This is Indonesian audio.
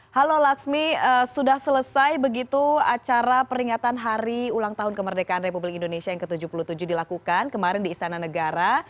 halo laksmi sudah selesai begitu acara peringatan hari ulang tahun kemerdekaan republik indonesia yang ke tujuh puluh tujuh dilakukan kemarin di istana negara